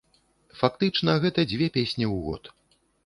Фактычна, гэта дзве песні ў год.